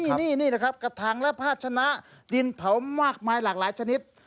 นี่นะครับกระถังและภาชนะดินเผามากมายหลากหลายชนิด